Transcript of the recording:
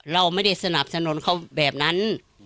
เราไม่ได้สนับสนุนเขาแบบนั้น